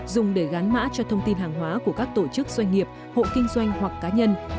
dùng để gắn mã cho thông tin hàng hóa của các tổ chức doanh nghiệp hộ kinh doanh hoặc cá nhân